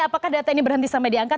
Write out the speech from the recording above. apakah data ini berhenti sampai diangkat